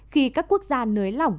khi các quốc gia nới lỏng